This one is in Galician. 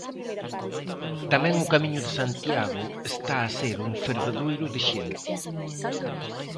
Tamén o Camiño de Santiago está a ser un fervedoiro de xente.